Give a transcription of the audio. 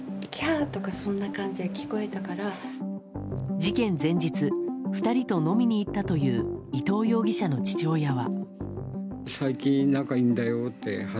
事件前日２人と飲みに行ったという伊藤容疑者の父親は。